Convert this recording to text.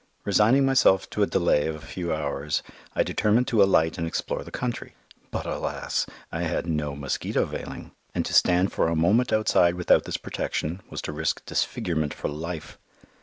Resigning myself to a delay of a few hours, I determined to alight and explore the country. But alas! I had no mosquito veiling, and to stand for a moment outside without this protection was to risk disfigurement for life.